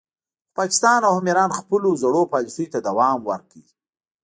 خو پاکستان او هم ایران خپلو زړو پالیسیو ته دوام ورکړ